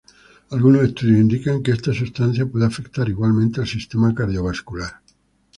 Algunos estudios indican que esta sustancia puede afectar igualmente al sistema cardiovascular.